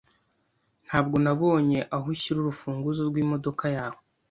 Ntabwo nabonye aho ushyira urufunguzo rwimodoka yawe.